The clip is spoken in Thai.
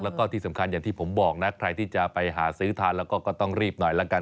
แล้วก็ที่สำคัญอย่างที่ผมบอกนะใครที่จะไปหาซื้อทานแล้วก็ก็ต้องรีบหน่อยละกัน